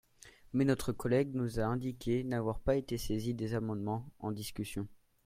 Mais notre collègue nous a indiqué n’avoir pas été saisi des amendements en discussion.